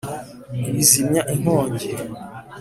ibizimya inkongi